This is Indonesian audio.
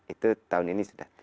itu tahun ini sudah